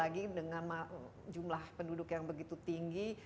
karena jumlah penduduk yang begitu tinggi